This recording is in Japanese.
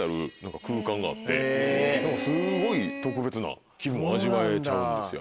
すごい特別な気分を味わえちゃうんですよ